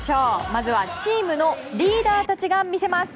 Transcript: まずはチームのリーダーたちが魅せます。